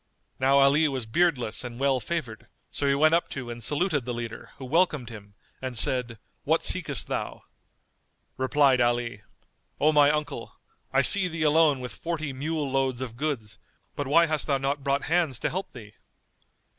Now Ali was beardless and well favoured; so he went up to and saluted the leader who welcomed him and said, "What seekest thou?" Replied Ali, "O my uncle, I see thee alone with forty mule loads of goods; but why hast thou not brought hands to help thee?"